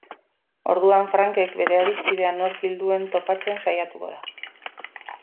Orduan, Frankek bere adiskidea nork hil duen topatzen saiatuko da.